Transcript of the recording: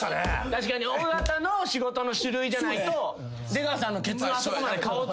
確かに尾形の仕事の種類じゃないと出川さんのケツあそこまで顔つけることはないもんな。